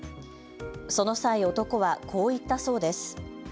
その際、男はこう言ったそうです。